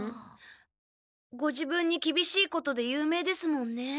ご自分にきびしいことで有名ですもんね。